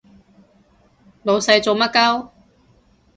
老細做乜 𨳊